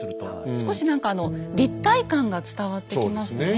少し何か立体感が伝わってきますね。